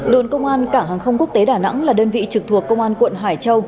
đồn công an cảng hàng không quốc tế đà nẵng là đơn vị trực thuộc công an quận hải châu